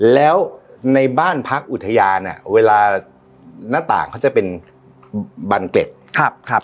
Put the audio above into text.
แล้วในบ้านพักอุทยานเวลาหน้าต่างเขาจะเป็นบันเกล็ดครับ